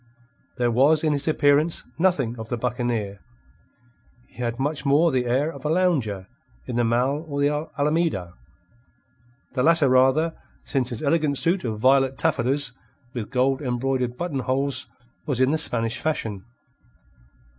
There was in his appearance nothing of the buccaneer. He had much more the air of a lounger in the Mall or the Alameda the latter rather, since his elegant suit of violet taffetas with gold embroidered button holes was in the Spanish fashion.